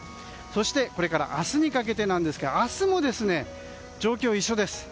そして明日にかけてですが明日も、状況は一緒です。